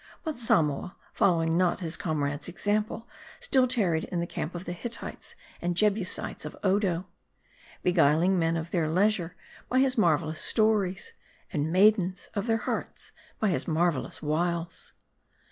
But Samoa, following not his comrade's example, still tarried in the camp of the Hittites and Jebusites of Odo. Beguiling men of their leisure by his marvelous stories : and maidens of their hearts by his marvelous wiles.